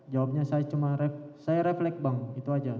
jawabnya saya cuma saya refleks bang itu aja